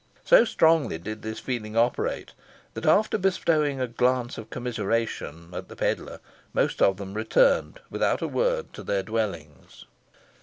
So strongly did this feeling operate, that after bestowing a glance of commiseration at the pedlar, most of them returned, without a word, to their dwellings.